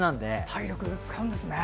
体力使うんですね。